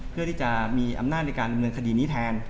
เพื่อที่จะมีอำนาจในการดำเนินคดีนี้แทน